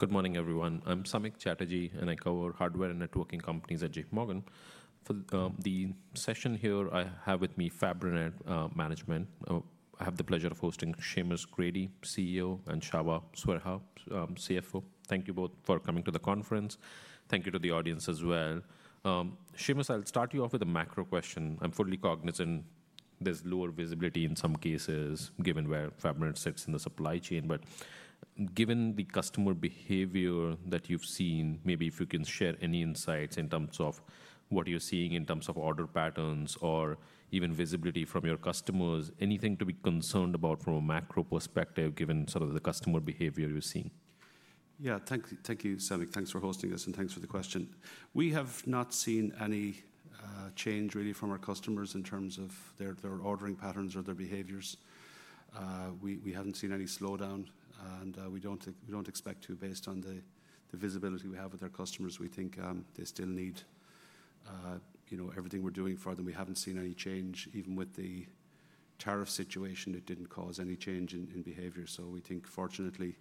Good morning, everyone. I'm Samik Chatterjee, and I cover hardware and networking companies at JPMorgan. For the session here, I have with me Fabrinet Management. I have the pleasure of hosting Seamus Grady, CEO, and Csaba Sverha, CFO. Thank you both for coming to the conference. Thank you to the audience as well. Seamus, I'll start you off with a macro question. I'm fully cognizant there's lower visibility in some cases, given where Fabrinet sits in the supply chain. Given the customer behavior that you've seen, maybe if you can share any insights in terms of what you're seeing in terms of order patterns or even visibility from your customers, anything to be concerned about from a macro perspective, given sort of the customer behavior you're seeing? Yeah, thank you, Samik. Thanks for hosting us, and thanks for the question. We have not seen any change, really, from our customers in terms of their ordering patterns or their behaviors. We haven't seen any slowdown, and we don't expect to, based on the visibility we have with our customers. We think they still need everything we're doing for them. We haven't seen any change. Even with the tariff situation, it didn't cause any change in behavior. We think, fortunately,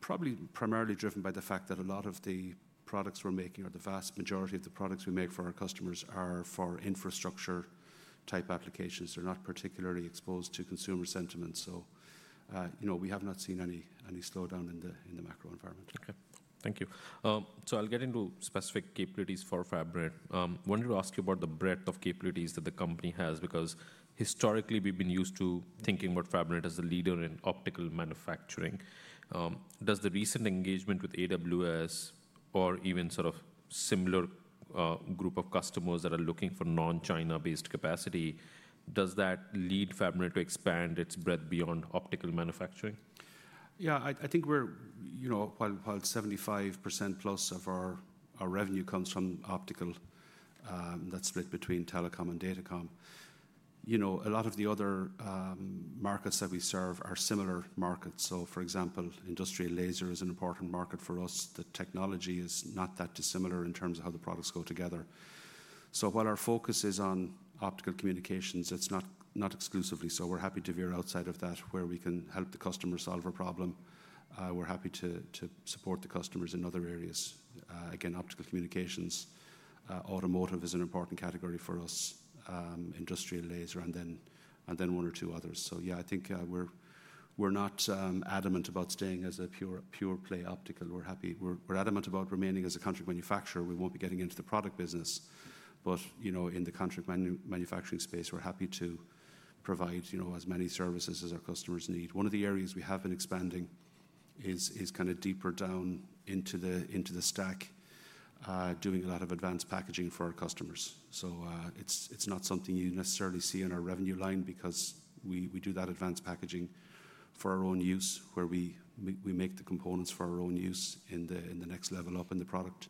probably primarily driven by the fact that a lot of the products we're making, or the vast majority of the products we make for our customers, are for infrastructure-type applications. They're not particularly exposed to consumer sentiment. We have not seen any slowdown in the macro environment. Okay, thank you. I'll get into specific capabilities for Fabrinet. I wanted to ask you about the breadth of capabilities that the company has, because historically, we've been used to thinking about Fabrinet as a leader in optical manufacturing. Does the recent engagement with AWS, or even sort of a similar group of customers that are looking for non-China-based capacity, does that lead Fabrinet to expand its breadth beyond optical manufacturing? Yeah, I think while 75%+ of our revenue comes from optical, that's split between telecom and datacom. A lot of the other markets that we serve are similar markets. For example, industrial laser is an important market for us. The technology is not that dissimilar in terms of how the products go together. While our focus is on optical communications, it's not exclusively. We're happy to veer outside of that, where we can help the customer solve a problem. We're happy to support the customers in other areas. Again, optical communications, automotive is an important category for us, industrial laser, and then one or two others. I think we're not adamant about staying as a pure-play optical. We're adamant about remaining as a contract manufacturer. We won't be getting into the product business. In the contract manufacturing space, we're happy to provide as many services as our customers need. One of the areas we have been expanding is kind of deeper down into the stack, doing a lot of advanced packaging for our customers. It is not something you necessarily see on our revenue line, because we do that advanced packaging for our own use, where we make the components for our own use in the next level up in the product.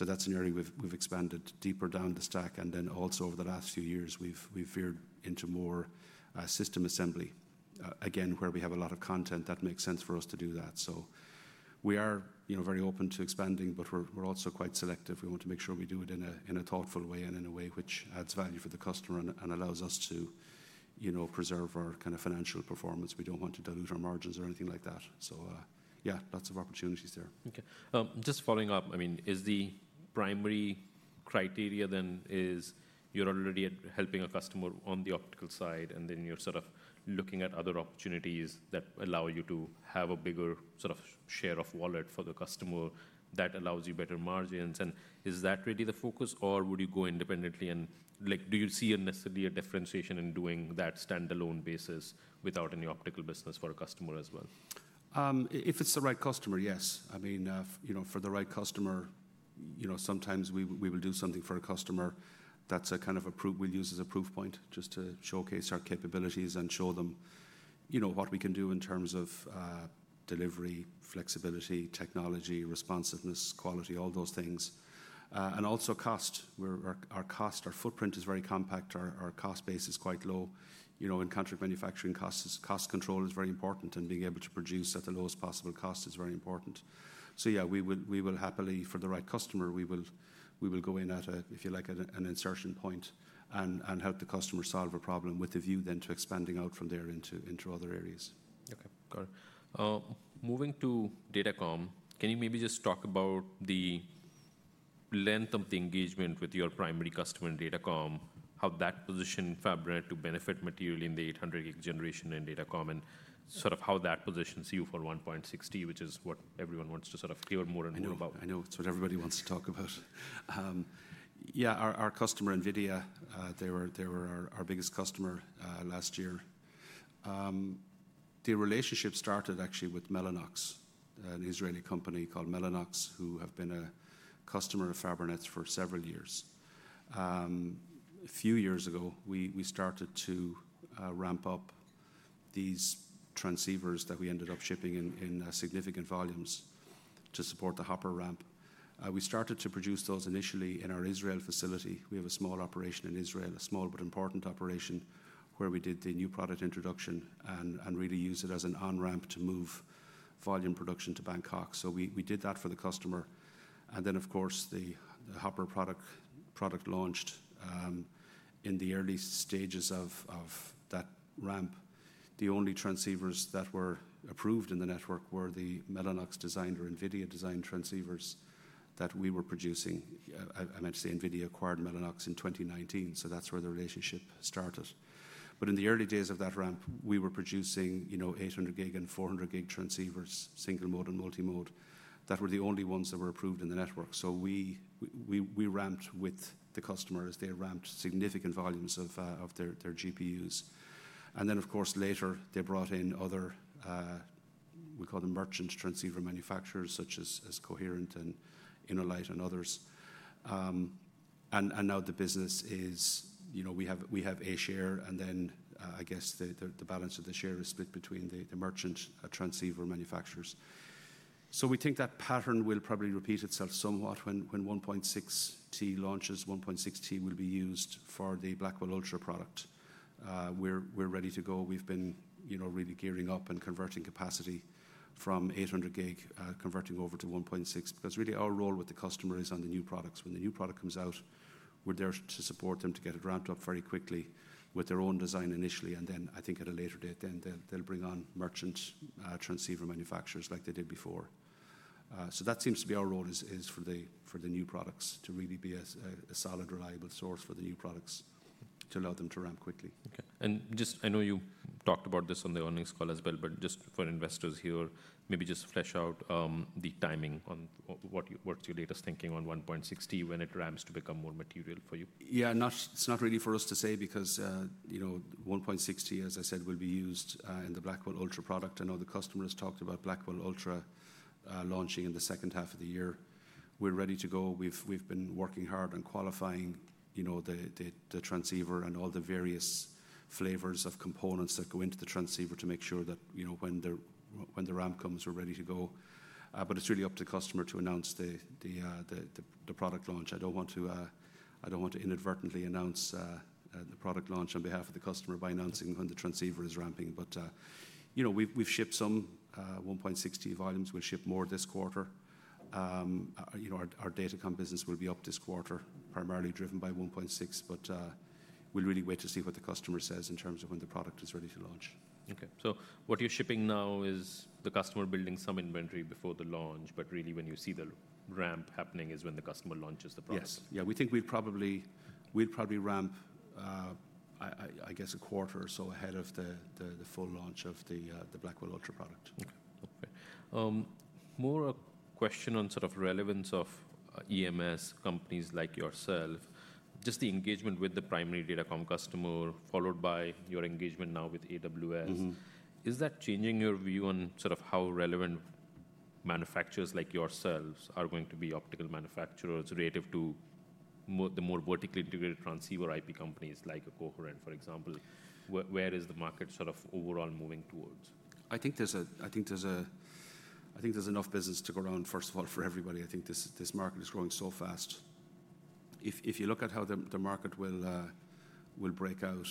That is an area we have expanded deeper down the stack. Also, over the last few years, we have veered into more system assembly, again, where we have a lot of content that makes sense for us to do that. We are very open to expanding, but we are also quite selective. We want to make sure we do it in a thoughtful way and in a way which adds value for the customer and allows us to preserve our kind of financial performance. We do not want to dilute our margins or anything like that. Yeah, lots of opportunities there. Okay, just following up, I mean, is the primary criteria then is you're already helping a customer on the optical side, and then you're sort of looking at other opportunities that allow you to have a bigger sort of share of wallet for the customer that allows you better margins. Is that really the focus, or would you go independently? Do you see necessarily a differentiation in doing that standalone basis without any optical business for a customer as well? If it is the right customer, yes. I mean, for the right customer, sometimes we will do something for a customer that is a kind of a proof we will use as a proof point, just to showcase our capabilities and show them what we can do in terms of delivery, flexibility, technology, responsiveness, quality, all those things. Also cost. Our cost, our footprint is very compact. Our cost base is quite low. In contract manufacturing, cost control is very important, and being able to produce at the lowest possible cost is very important. Yeah, we will happily, for the right customer, we will go in at, if you like, an insertion point and help the customer solve a problem with the view then to expanding out from there into other areas. Okay, got it. Moving to datacom, can you maybe just talk about the length of the engagement with your primary customer in datacom, how that positions Fabrinet to benefit materially in the 800 Gb generation in datacom, and sort of how that positions you for 1.6 Tb, which is what everyone wants to sort of hear more and more about? I know. That's what everybody wants to talk about. Yeah, our customer, NVIDIA, they were our biggest customer last year. The relationship started actually with Mellanox, an Israeli company called Mellanox, who have been a customer of Fabrinet for several years. A few years ago, we started to ramp up these transceivers that we ended up shipping in significant volumes to support the Hopper ramp. We started to produce those initially in our Israel facility. We have a small operation in Israel, a small but important operation, where we did the new product introduction and really used it as an on-ramp to move volume production to Bangkok. We did that for the customer. Of course, the Hopper product launched in the early stages of that ramp. The only transceivers that were approved in the network were the Mellanox-designed or NVIDIA-designed transceivers that we were producing. I mentioned NVIDIA acquired Mellanox in 2019, so that's where the relationship started. In the early days of that ramp, we were producing 800 Gb and 400 Gb transceivers, single mode and multi-mode, that were the only ones that were approved in the network. We ramped with the customers. They ramped significant volumes of their GPUs. Of course, later, they brought in other, we call them merchant transceiver manufacturers, such as Coherent and InnoLight and others. Now the business is we have a share, and then I guess the balance of the share is split between the merchant transceiver manufacturers. We think that pattern will probably repeat itself somewhat. When 1.6 Tb launches, 1.6 Tb will be used for the Blackwell Ultra product. We're ready to go. We've been really gearing up and converting capacity from 800 Gb, converting over to 1.6 Tb, because really our role with the customer is on the new products. When the new product comes out, we're there to support them to get it ramped up very quickly with their own design initially. I think at a later date, then they'll bring on merchant transceiver manufacturers like they did before. That seems to be our role, for the new products to really be a solid, reliable source for the new products to allow them to ramp quickly. Okay, and just I know you talked about this on the earnings call as well, but just for investors here, maybe just flesh out the timing on what's your latest thinking on 1.6 Tb when it ramps to become more material for you? Yeah, it's not really for us to say, because 1.6 Tb, as I said, will be used in the Blackwell Ultra product. I know the customer has talked about Blackwell Ultra launching in the second half of the year. We're ready to go. We've been working hard on qualifying the transceiver and all the various flavors of components that go into the transceiver to make sure that when the ramp comes, we're ready to go. It is really up to the customer to announce the product launch. I don't want to inadvertently announce the product launch on behalf of the customer by announcing when the transceiver is ramping. We've shipped some 1.6 Tb volumes. We'll ship more this quarter. Our data com business will be up this quarter, primarily driven by 1.6 Tb, but we'll really wait to see what the customer says in terms of when the product is ready to launch. Okay, so what you're shipping now is the customer building some inventory before the launch, but really when you see the ramp happening is when the customer launches the product? Yes. Yeah, we think we'd probably ramp, I guess, a quarter or so ahead of the full launch of the Blackwell Ultra product. Okay, great. More a question on sort of relevance of EMS companies like yourself, just the engagement with the primary data com customer, followed by your engagement now with AWS. Is that changing your view on sort of how relevant manufacturers like yourselves are going to be optical manufacturers relative to the more vertically integrated transceiver IP companies like a Coherent, for example? Where is the market sort of overall moving towards? I think there's enough business to go around, first of all, for everybody. I think this market is growing so fast. If you look at how the market will break out,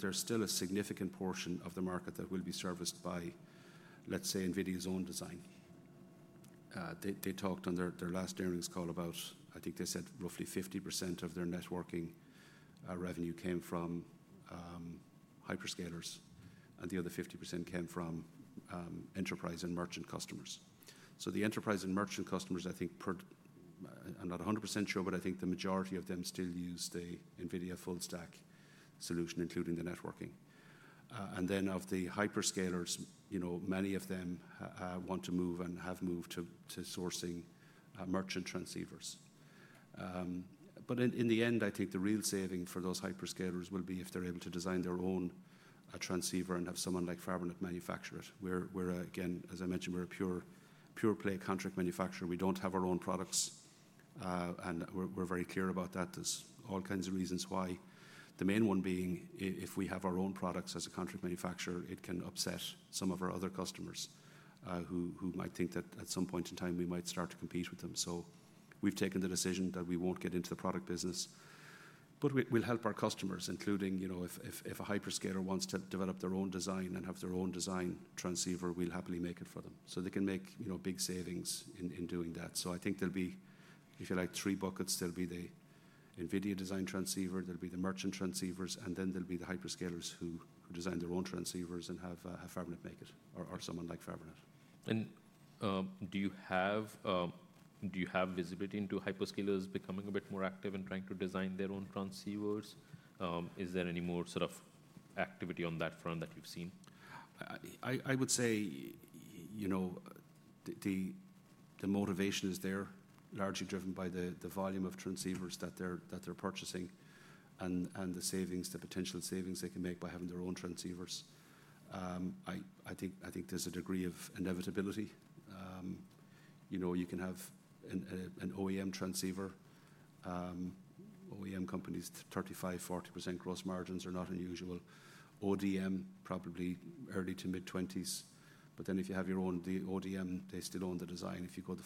there's still a significant portion of the market that will be serviced by, let's say, NVIDIA's own design. They talked on their last earnings call about, I think they said, roughly 50% of their networking revenue came from hyperscalers, and the other 50% came from enterprise and merchant customers. The enterprise and merchant customers, I think, I'm not 100% sure, but I think the majority of them still use the NVIDIA full stack solution, including the networking. Then of the hyperscalers, many of them want to move and have moved to sourcing merchant transceivers. In the end, I think the real saving for those hyperscalers will be if they're able to design their own transceiver and have someone like Fabrinet manufacture it. We're, again, as I mentioned, we're a pure-play contract manufacturer. We don't have our own products, and we're very clear about that. There's all kinds of reasons why. The main one being, if we have our own products as a contract manufacturer, it can upset some of our other customers who might think that at some point in time we might start to compete with them. We have taken the decision that we won't get into the product business, but we'll help our customers, including if a hyperscaler wants to develop their own design and have their own design transceiver, we'll happily make it for them so they can make big savings in doing that. I think there'll be, if you like, three buckets. There'll be the NVIDIA design transceiver. There'll be the merchant transceivers, and then there'll be the hyperscalers who design their own transceivers and have Fabrinet make it, or someone like Fabrinet. Do you have visibility into hyperscalers becoming a bit more active in trying to design their own transceivers? Is there any more sort of activity on that front that you've seen? I would say the motivation is there, largely driven by the volume of transceivers that they're purchasing and the potential savings they can make by having their own transceivers. I think there's a degree of inevitability. You can have an OEM transceiver. OEM companies, 35%-40% gross margins are not unusual. ODM, probably early to mid-20s. But then if you have your own ODM, they still own the design. If you go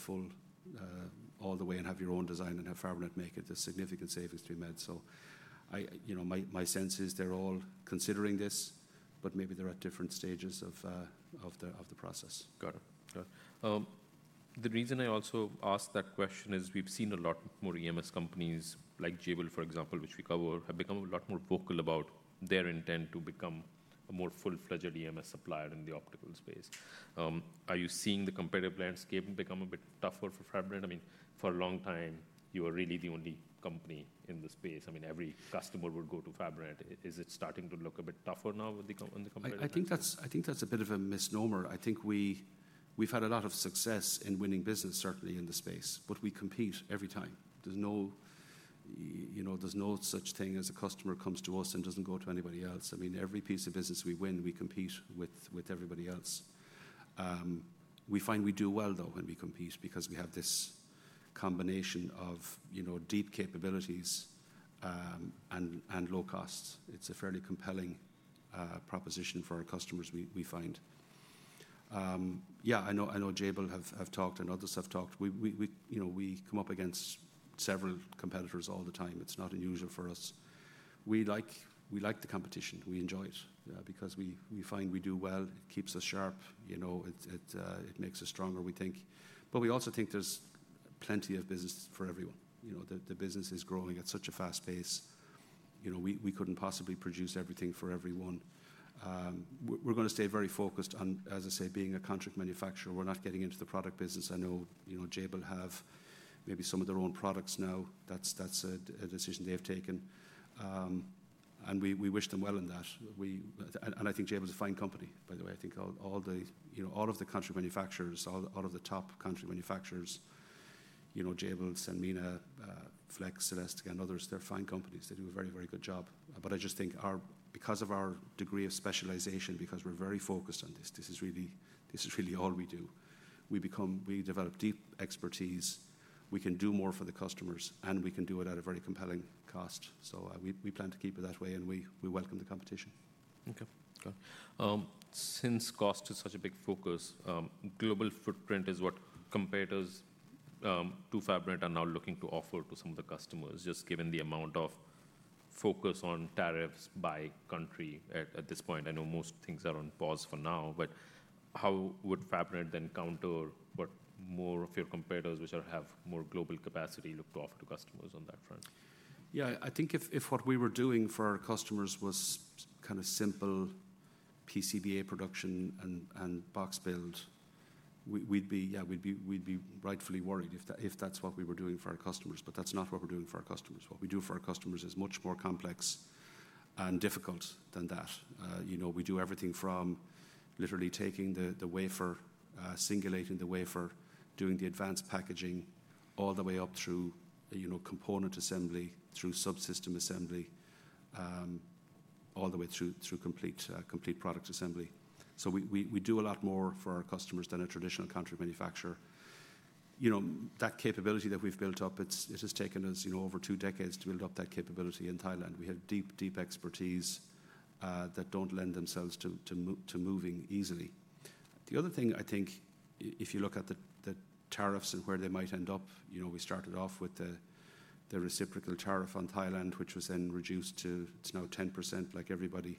all the way and have your own design and have Fabrinet make it, there's significant savings to be made. My sense is they're all considering this, but maybe they're at different stages of the process. Got it. The reason I also ask that question is we've seen a lot more EMS companies like Jabil, for example, which we cover, have become a lot more vocal about their intent to become a more full-fledged EMS supplier in the optical space. Are you seeing the competitive landscape become a bit tougher for Fabrinet? I mean, for a long time, you were really the only company in the space. I mean, every customer would go to Fabrinet. Is it starting to look a bit tougher now on the competitive? I think that's a bit of a misnomer. I think we've had a lot of success in winning business, certainly in the space, but we compete every time. There's no such thing as a customer comes to us and doesn't go to anybody else. I mean, every piece of business we win, we compete with everybody else. We find we do well, though, when we compete, because we have this combination of deep capabilities and low costs. It's a fairly compelling proposition for our customers, we find. Yeah, I know Jabil have talked and others have talked. We come up against several competitors all the time. It's not unusual for us. We like the competition. We enjoy it because we find we do well. It keeps us sharp. It makes us stronger, we think. We also think there's plenty of business for everyone. The business is growing at such a fast pace. We couldn't possibly produce everything for everyone. We're going to stay very focused on, as I say, being a contract manufacturer. We're not getting into the product business. I know Jabil have maybe some of their own products now. That's a decision they've taken, and we wish them well in that. I think Jabil is a fine company, by the way. I think all of the contract manufacturers, all of the top contract manufacturers, Jabil, Sanmina, Flex, Celestica, and others, they're fine companies. They do a very, very good job. I just think because of our degree of specialization, because we're very focused on this, this is really all we do. We develop deep expertise. We can do more for the customers, and we can do it at a very compelling cost. We plan to keep it that way, and we welcome the competition. Okay, got it. Since cost is such a big focus, global footprint is what competitors to Fabrinet are now looking to offer to some of the customers, just given the amount of focus on tariffs by country at this point. I know most things are on pause for now, but how would Fabrinet then counter what more of your competitors, which have more global capacity, look to offer to customers on that front? Yeah, I think if what we were doing for our customers was kind of simple PCBA production and box build, yeah, we'd be rightfully worried if that's what we were doing for our customers. That's not what we're doing for our customers. What we do for our customers is much more complex and difficult than that. We do everything from literally taking the wafer, singulating the wafer, doing the advanced packaging, all the way up through component assembly, through subsystem assembly, all the way through complete product assembly. We do a lot more for our customers than a traditional contract manufacturer. That capability that we've built up, it has taken us over two decades to build up that capability in Thailand. We have deep, deep expertise that doesn't lend itself to moving easily. The other thing, I think, if you look at the tariffs and where they might end up, we started off with the reciprocal tariff on Thailand, which was then reduced to, it's now 10% like everybody.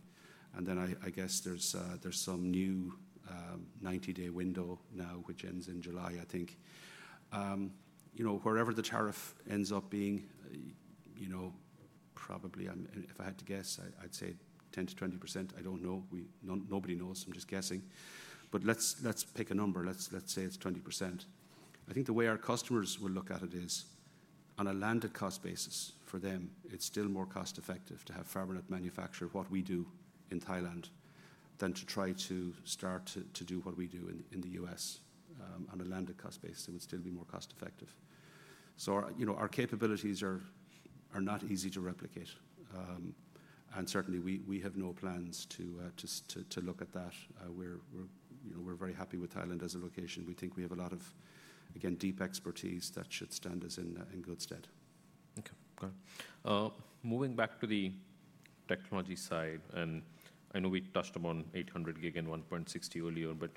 I guess there's some new 90-day window now, which ends in July, I think. Wherever the tariff ends up being, probably if I had to guess, I'd say 10%-20%. I don't know. Nobody knows. I'm just guessing. Let's pick a number. Let's say it's 20%. I think the way our customers will look at it is, on a landed cost basis for them, it's still more cost-effective to have Fabrinet manufacture what we do in Thailand than to try to start to do what we do in the U.S. on a landed cost basis. It would still be more cost-effective. Our capabilities are not easy to replicate. Certainly, we have no plans to look at that. We're very happy with Thailand as a location. We think we have a lot of, again, deep expertise that should stand us in good stead. Okay, got it. Moving back to the technology side, and I know we touched upon 800 Gb and 1.6 Tb earlier, but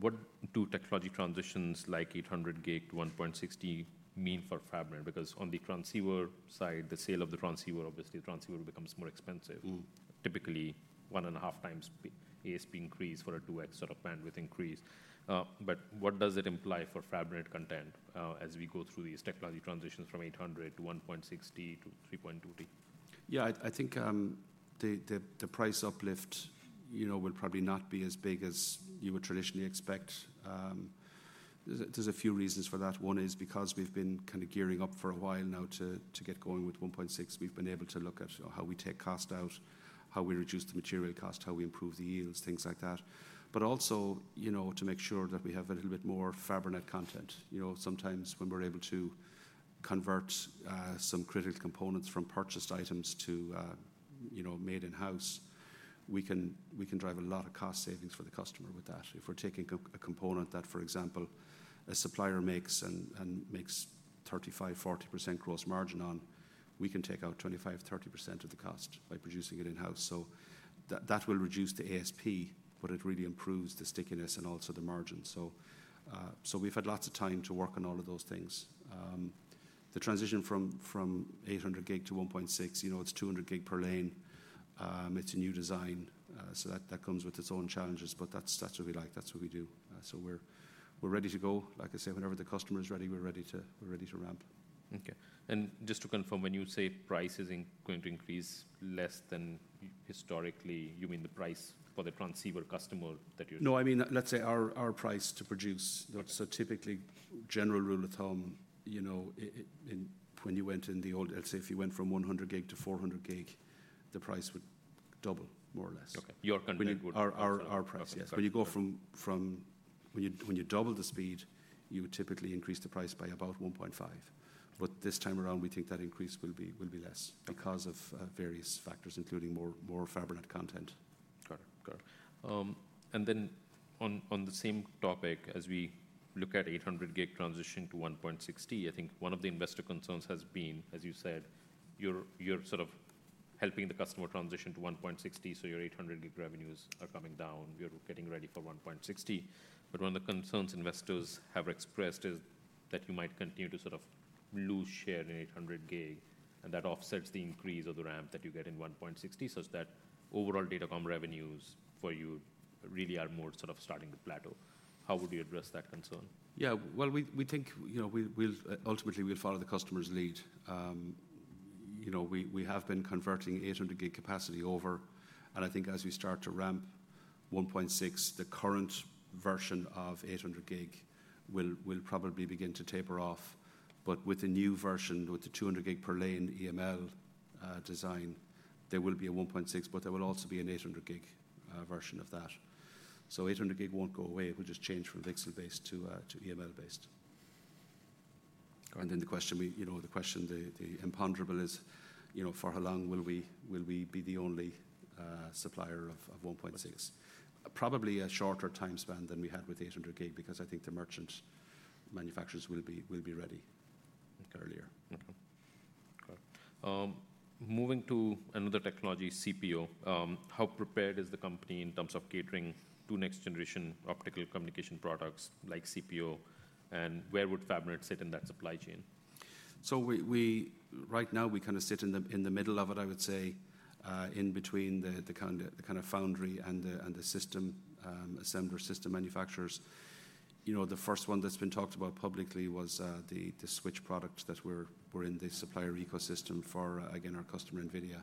what do technology transitions like 800 Gb to 1.6 Tb mean for Fabrinet? Because on the transceiver side, the sale of the transceiver, obviously, the transceiver becomes more expensive, typically one and a half times ASP increase for a 2X sort of bandwidth increase. What does it imply for Fabrinet content as we go through these technology transitions from 800 Gb to 1.6 Tb to 3.2 Tb? Yeah, I think the price uplift will probably not be as big as you would traditionally expect. There's a few reasons for that. One is because we've been kind of gearing up for a while now to get going with 1.6 Tb. We've been able to look at how we take cost out, how we reduce the material cost, how we improve the yields, things like that, but also to make sure that we have a little bit more Fabrinet content. Sometimes when we're able to convert some critical components from purchased items to made in-house, we can drive a lot of cost savings for the customer with that. If we're taking a component that, for example, a supplier makes and makes 35%-40% gross margin on, we can take out 25%-30% of the cost by producing it in-house. That will reduce the ASP, but it really improves the stickiness and also the margin. We've had lots of time to work on all of those things. The transition from 800 Gb to 1.6 Tb, it's 200 Gb per lane. It's a new design, so that comes with its own challenges, but that's what we like. That's what we do. We're ready to go. Like I say, whenever the customer is ready, we're ready to ramp. Okay. Just to confirm, when you say price is going to increase less than historically, you mean the price for the transceiver customer that you're saying? No, I mean, let's say our price to produce. Typically, general rule of thumb, when you went in the old, let's say if you went from 100 Gb to 400 Gb, the price would double, more or less. Okay. Your content would double? Our price, yes. When you go from, when you double the speed, you would typically increase the price by about 1.5. This time around, we think that increase will be less because of various factors, including more Fabrinet content. Got it. Got it. On the same topic, as we look at 800 Gb transition to 1.6 Tb, I think one of the investor concerns has been, as you said, you're sort of helping the customer transition to 1.6 Tb, so your 800 Gb revenues are coming down. You're getting ready for 1.6 Tb. One of the concerns investors have expressed is that you might continue to sort of lose share in 800 Gb, and that offsets the increase of the ramp that you get in 1.6 Tb such that overall data com revenues for you really are more sort of starting to plateau. How would you address that concern? Yeah, we think ultimately we'll follow the customer's lead. We have been converting 800 Gb capacity over, and I think as we start to ramp 1.6 Tb, the current version of 800 Gb will probably begin to taper off. With the new version, with the 200 gig per lane EML design, there will be a 1.6 Tb, but there will also be an 800 Gb version of that. So 800 Gb won't go away. It will just change from VCSEL-based to EML-based. The question, the imponderable, is for how long will we be the only supplier of 1.6 Tb? Probably a shorter time span than we had with 800 Gb because I think the merchant manufacturers will be ready earlier. Okay. Got it. Moving to another technology, CPO. How prepared is the company in terms of catering to next-generation optical communication products like CPO, and where would Fabrinet sit in that supply chain? Right now, we kind of sit in the middle of it, I would say, in between the kind of foundry and the system assembler system manufacturers. The first one that's been talked about publicly was the switch product that we're in the supplier ecosystem for, again, our customer NVIDIA.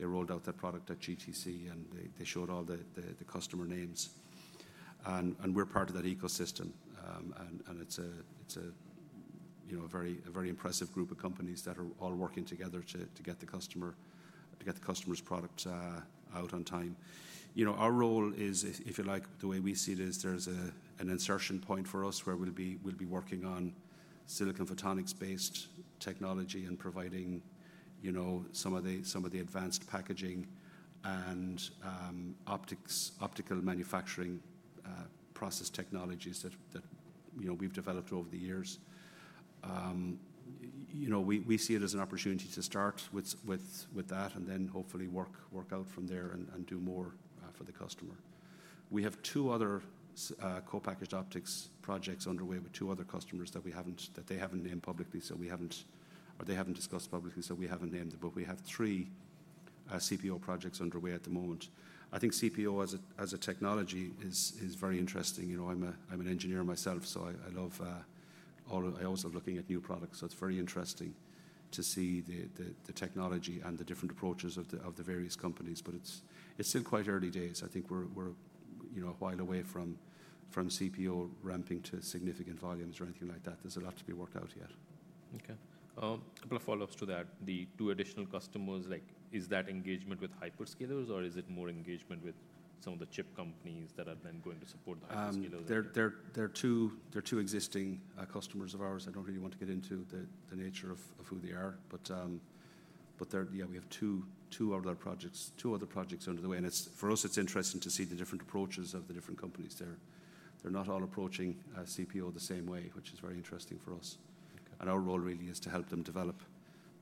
They rolled out that product at GTC, and they showed all the customer names. We're part of that ecosystem, and it's a very impressive group of companies that are all working together to get the customer's product out on time. Our role is, if you like, the way we see it is there's an insertion point for us where we'll be working on silicon photonics-based technology and providing some of the advanced packaging and optical manufacturing process technologies that we've developed over the years. We see it as an opportunity to start with that and then hopefully work out from there and do more for the customer. We have two other co-packaged optics projects underway with two other customers that they have not named publicly, so we have not, or they have not discussed publicly, so we have not named them, but we have three CPO projects underway at the moment. I think CPO as a technology is very interesting. I am an engineer myself, so I also looking at new products. It is very interesting to see the technology and the different approaches of the various companies, but it is still quite early days. I think we are a while away from CPO ramping to significant volumes or anything like that. There is a lot to be worked out yet. Okay. A couple of follow-ups to that. The two additional customers, is that engagement with hyperscalers, or is it more engagement with some of the chip companies that are then going to support the hyperscalers? There are two existing customers of ours. I do not really want to get into the nature of who they are, but yeah, we have two other projects under the way. For us, it is interesting to see the different approaches of the different companies. They are not all approaching CPO the same way, which is very interesting for us. Our role really is to help them develop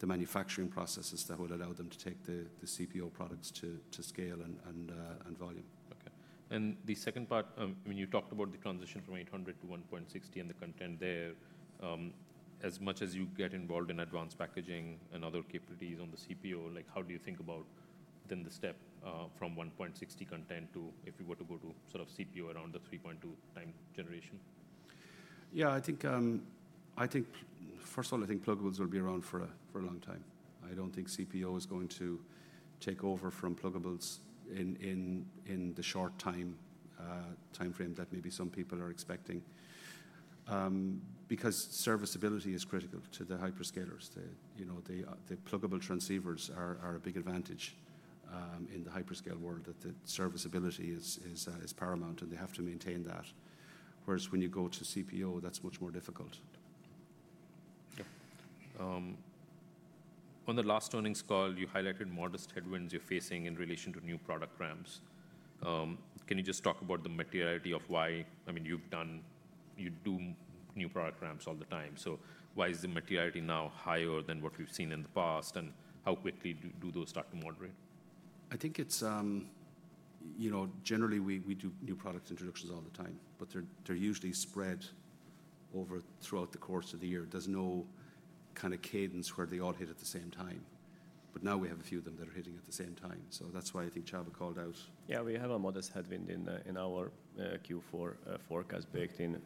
the manufacturing processes that will allow them to take the CPO products to scale and volume. Okay. The second part, when you talked about the transition from 800 Gb to 1.6 Tb and the content there, as much as you get involved in advanced packaging and other capabilities on the CPO, how do you think about then the step from 1.6 Tb content to if you were to go to sort of CPO around the 3.2 Tb generation? Yeah, I think, first of all, I think pluggables will be around for a long time. I do not think CPO is going to take over from pluggables in the short time frame that maybe some people are expecting because serviceability is critical to the hyperscalers. The pluggable transceivers are a big advantage in the hyperscale world that the serviceability is paramount, and they have to maintain that. Whereas when you go to CPO, that is much more difficult. On the last earnings call, you highlighted modest headwinds you're facing in relation to new product ramps. Can you just talk about the materiality of why? I mean, you do new product ramps all the time. Why is the materiality now higher than what we've seen in the past, and how quickly do those start to moderate? I think generally we do new product introductions all the time, but they're usually spread throughout the course of the year. There's no kind of cadence where they all hit at the same time. Now we have a few of them that are hitting at the same time. That's why I think Csaba called out. Yeah, we have a modest headwind in our Q4 forecast baked in.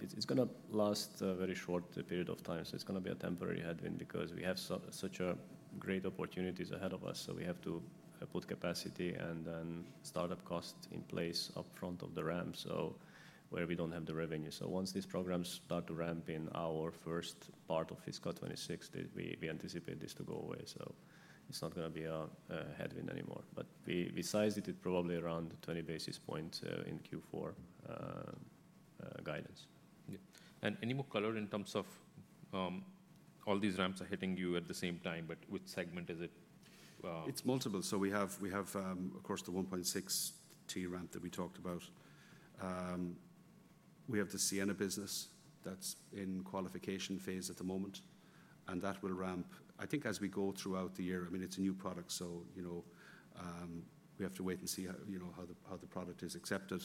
It's going to last a very short period of time, so it's going to be a temporary headwind because we have such great opportunities ahead of us. We have to put capacity and then startup cost in place upfront of the ramp where we don't have the revenue. Once these programs start to ramp in our first part of fiscal 2026, we anticipate this to go away. It's not going to be a headwind anymore. Besides it, it's probably around 20 basis points in Q4 guidance. Any more color in terms of all these ramps are hitting you at the same time, but which segment is it? It's multiple. We have, of course, the 1.6 Tb ramp that we talked about. We have the Ciena business that's in qualification phase at the moment, and that will ramp, I think, as we go throughout the year. I mean, it's a new product, so we have to wait and see how the product is accepted.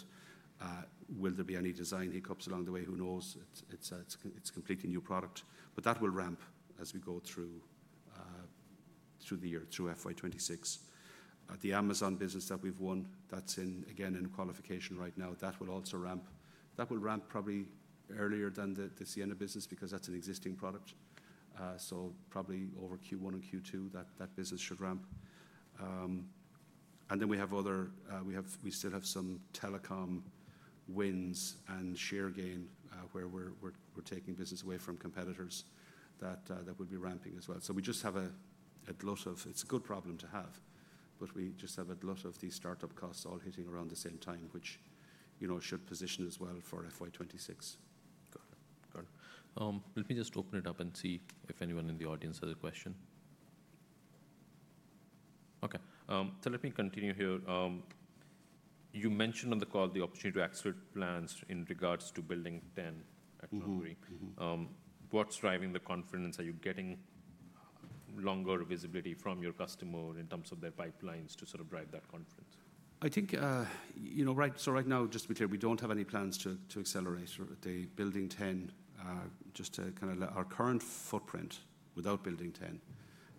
Will there be any design hiccups along the way? Who knows? It's a completely new product, but that will ramp as we go through the year, through FY 2026. The Amazon business that we've won, that's in, again, in qualification right now, that will also ramp. That will ramp probably earlier than the Ciena business because that's an existing product. Probably over Q1 and Q2, that business should ramp. We still have some telecom wins and share gain where we're taking business away from competitors that would be ramping as well. We just have a lot of, it's a good problem to have, but we just have a lot of these startup costs all hitting around the same time, which should position us well for FY 2026. Got it. Got it. Let me just open it up and see if anyone in the audience has a question. Okay. Let me continue here. You mentioned on the call the opportunity to execute plans in regards to Building 10 at Chonburi. What's driving the confidence? Are you getting longer visibility from your customer in terms of their pipelines to sort of drive that confidence? I think, so right now, just to be clear, we don't have any plans to accelerate. The Building 10, just to kind of let our current footprint without Building 10,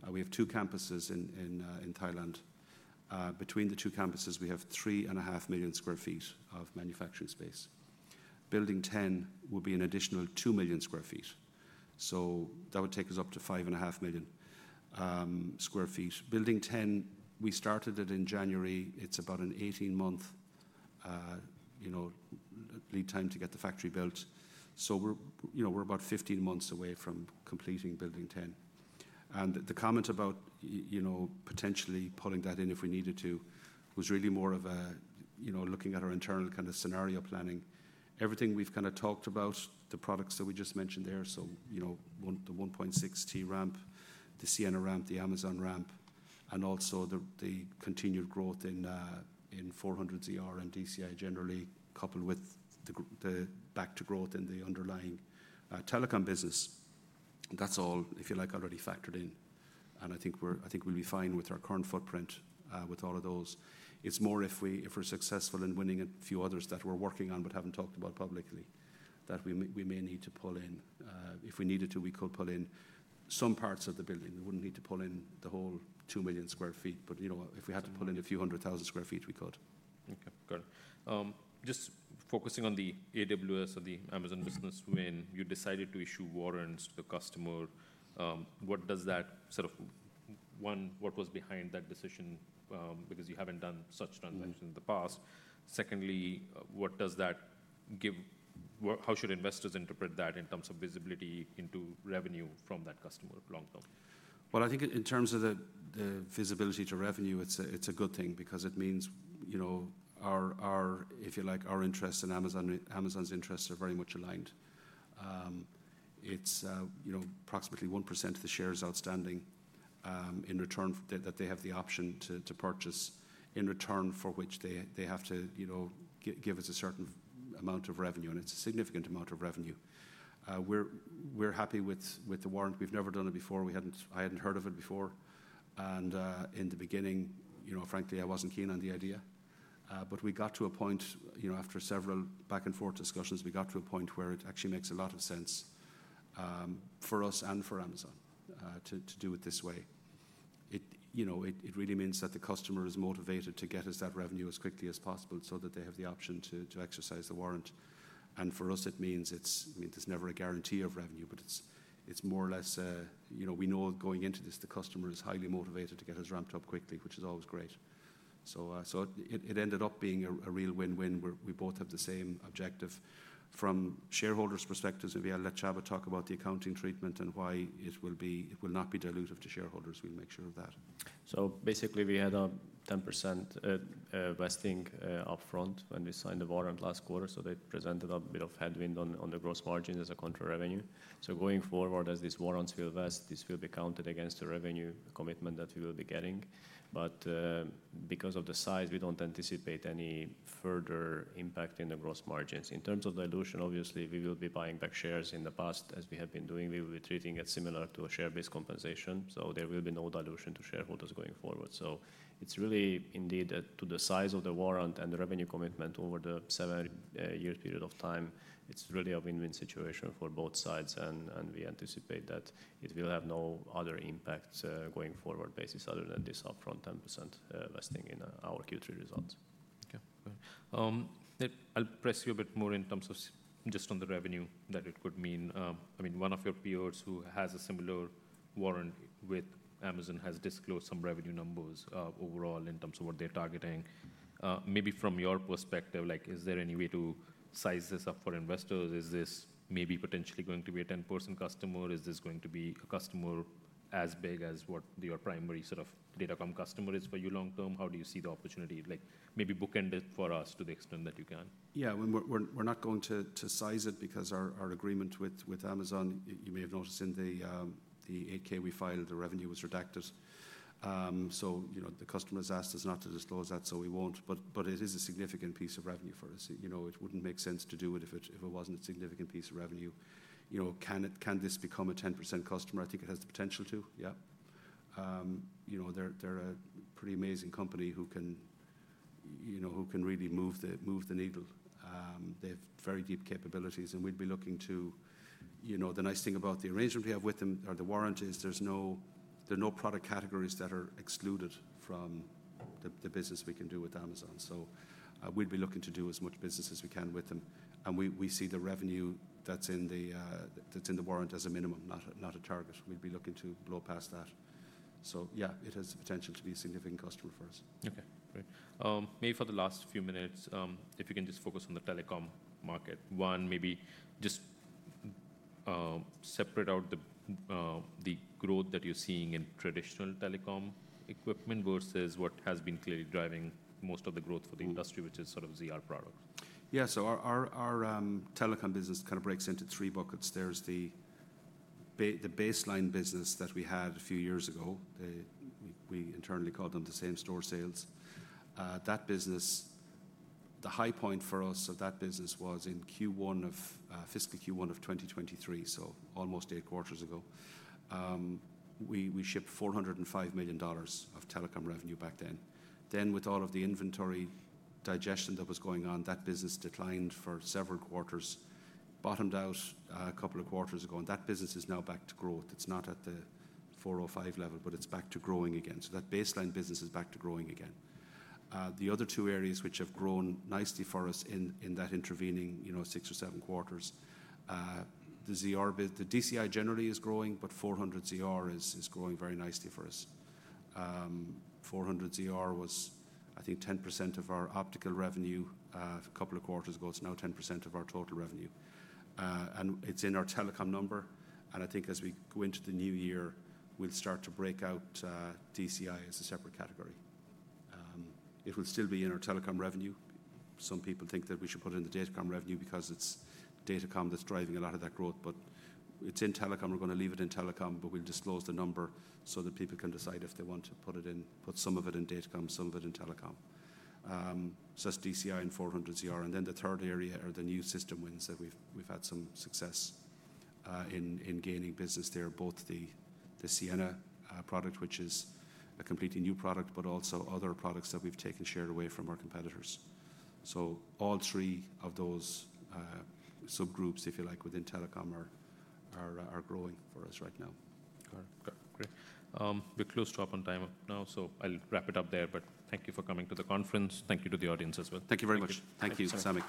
we have two campuses in Thailand. Between the two campuses, we have 3.5 million sq ft of manufacturing space. Building 10 will be an additional 2 million sq ft. That would take us up to 5.5 million sq ft. Building 10, we started it in January. It's about an 18-month lead time to get the factory built. We're about 15 months away from completing Building 10. The comment about potentially pulling that in if we needed to was really more of looking at our internal kind of scenario planning. Everything we've kind of talked about, the products that we just mentioned there, so the 1.6 Tb ramp, the Ciena ramp, the Amazon ramp, and also the continued growth in 400ZR and DCI generally, coupled with the back-to-growth in the underlying telecom business, that's all, if you like, already factored in. I think we'll be fine with our current footprint with all of those. It's more if we're successful in winning a few others that we're working on but haven't talked about publicly that we may need to pull in. If we needed to, we could pull in some parts of the building. We wouldn't need to pull in the whole 2 million sq ft, but if we had to pull in a few hundred thousand sq ft, we could. Okay. Got it. Just focusing on the AWS or the Amazon business, when you decided to issue warrants to the customer, what does that sort of, one, what was behind that decision? Because you haven't done such transactions in the past. Secondly, what does that give? How should investors interpret that in terms of visibility into revenue from that customer long-term? I think in terms of the visibility to revenue, it's a good thing because it means our, if you like, our interests and Amazon's interests are very much aligned. It's approximately 1% of the shares outstanding in return that they have the option to purchase, in return for which they have to give us a certain amount of revenue, and it's a significant amount of revenue. We're happy with the warrant. We've never done it before. I hadn't heard of it before. In the beginning, frankly, I wasn't keen on the idea, but we got to a point after several back-and-forth discussions, we got to a point where it actually makes a lot of sense for us and for Amazon to do it this way. It really means that the customer is motivated to get us that revenue as quickly as possible so that they have the option to exercise the warrant. For us, it means it's never a guarantee of revenue, but it's more or less we know going into this, the customer is highly motivated to get us ramped up quickly, which is always great. It ended up being a real win-win. We both have the same objective. From shareholders' perspectives, we had let Csaba talk about the accounting treatment and why it will not be dilutive to shareholders. We'll make sure of that. Basically, we had a 10% vesting upfront when we signed the warrant last quarter, so they presented a bit of headwind on the gross margins as a contra-revenue. Going forward, as these warrants will vest, this will be counted against the revenue commitment that we will be getting. Because of the size, we do not anticipate any further impact in the gross margins. In terms of dilution, obviously, we will be buying back shares in the past, as we have been doing. We will be treating it similar to a share-based compensation. There will be no dilution to shareholders going forward. It is really indeed to the size of the warrant and the revenue commitment over the seven-year period of time, it is really a win-win situation for both sides, and we anticipate that it will have no other impact going forward basis other than this upfront 10% vesting in our Q3 results. Okay.I will press you a bit more in terms of just on the revenue that it could mean. I mean, one of your peers who has a similar warrant with Amazon has disclosed some revenue numbers overall in terms of what they are targeting. Maybe from your perspective, is there any way to size this up for investors? Is this maybe potentially going to be a 10% customer? Is this going to be a customer as big as what your primary sort of data com customer is for you long-term? How do you see the opportunity? Maybe bookend it for us to the extent that you can. Yeah, we're not going to size it because our agreement with Amazon, you may have noticed in the 8K we filed, the revenue was redacted. The customer has asked us not to disclose that, so we won't, but it is a significant piece of revenue for us. It wouldn't make sense to do it if it wasn't a significant piece of revenue. Can this become a 10% customer? I think it has the potential to, yeah. They're a pretty amazing company who can really move the needle. They have very deep capabilities, and we'd be looking to, the nice thing about the arrangement we have with them or the warrant is there's no product categories that are excluded from the business we can do with Amazon. We'd be looking to do as much business as we can with them. We see the revenue that's in the warrant as a minimum, not a target. We'd be looking to blow past that. Yeah, it has the potential to be a significant customer for us. Okay. Great. Maybe for the last few minutes, if you can just focus on the telecom market. One, maybe just separate out the growth that you're seeing in traditional telecom equipment versus what has been clearly driving most of the growth for the industry, which is sort of ZR products. Yeah, so our telecom business kind of breaks into three buckets. There is the baseline business that we had a few years ago. We internally called them the same store sales. That business, the high point for us of that business was in Q1 of fiscal Q1 of 2023, so almost eight quarters ago. We shipped $405 million of telecom revenue back then. Then with all of the inventory digestion that was going on, that business declined for several quarters, bottomed out a couple of quarters ago, and that business is now back to growth. It is not at the $405 million level, but it is back to growing again. That baseline business is back to growing again. The other two areas which have grown nicely for us in that intervening six or seven quarters, the DCI generally is growing, but 400ZR is growing very nicely for us. 400ZR was, I think, 10% of our optical revenue a couple of quarters ago. It's now 10% of our total revenue. It's in our telecom number. I think as we go into the new year, we'll start to break out DCI as a separate category. It will still be in our telecom revenue. Some people think that we should put it in the data com revenue because it's data com that's driving a lot of that growth, but it's in telecom. We're going to leave it in telecom, but we'll disclose the number so that people can decide if they want to put some of it in datacom, some of it in telecom. That's DCI and 400ZR. The third area are the new system wins that we've had some success in gaining business there, both the Ciena product, which is a completely new product, but also other products that we've taken share away from our competitors. All three of those subgroups, if you like, within telecom are growing for us right now. Got it. Great. We're close to up on time now, so I'll wrap it up there, but thank you for coming to the conference. Thank you to the audience as well. Thank you very much. Thank you, Samik.